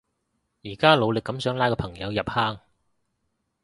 而家努力噉想拉個朋友入坑